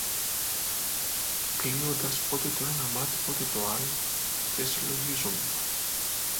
κλείοντας πότε το ένα μάτι πότε το άλλο, και συλλογίζουμουν